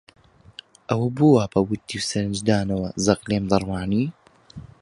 ئەوە بۆ وا بە وردی و سەرنجدانەوە زەق لێم دەڕوانی؟